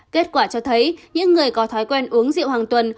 kết quả cho thấy những người có thói quen uống rượu hàng tuần